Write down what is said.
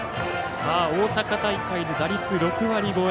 大阪大会打率６割超え